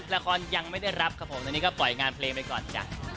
ละครยังไม่ได้รับครับผมตอนนี้ก็ปล่อยงานเพลงไปก่อนจ้ะ